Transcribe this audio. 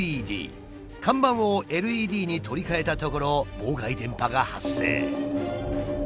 看板をＬＥＤに取り替えたところ妨害電波が発生。